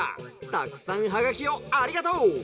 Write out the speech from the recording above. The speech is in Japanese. たくさんハガキをありがとう。